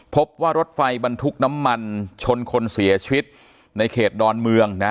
พบว่ารถไฟบรรทุกน้ำมันชนคนเสียชีวิตในเขตดอนเมืองนะ